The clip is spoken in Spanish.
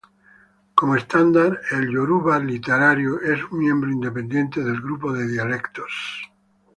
Como estándar, el yoruba literario, es un miembro independiente del grupo de dialectos.